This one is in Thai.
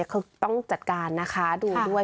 เขาต้องจัดการนะคะดูด้วย